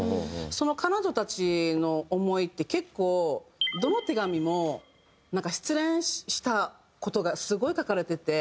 彼女たちの思いって結構どの手紙も失恋した事がすごい書かれてて。